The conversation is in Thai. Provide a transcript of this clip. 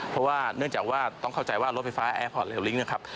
เพราะว่าต้องเข้าใจว่ารถไฟฟ้าแอร์พอร์ตเรียลลิ้งค์